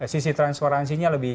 sisi transparansinya lebih